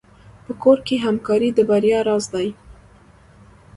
په کور کې همکاري د بریا راز دی.